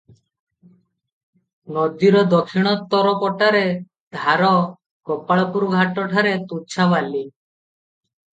ନଦୀର ଦକ୍ଷିଣ ତରଫଟାରେ ଧାର, ଗୋପାଳପୁର ଘାଟ ଠାରେ ତୁଚ୍ଛା ବାଲି ।